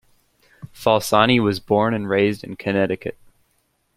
Falsani was born and raised in Connecticut.